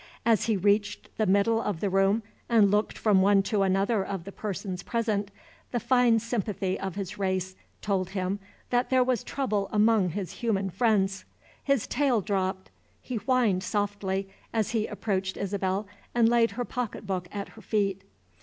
As he reached the middle of the room, and looked from one to another of the persons present, the fine sympathy of his race told him that there was trouble among his human friends. His tail dropped; he whined softly as he approached Isabel, and laid her pocketbook at her feet.